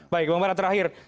baik bang bara terakhir